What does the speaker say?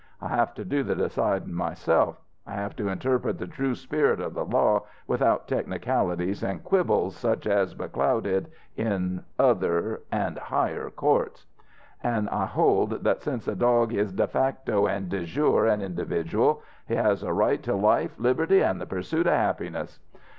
I have to do the decidin' myself; I have to interpret the true spirit of the law, without technicalities an' quibbles such as becloud it in other an' higher courts. An' I hold that since a dog is de facto an' de jure an individual, he has a right to life, liberty an' the pursuit of happiness.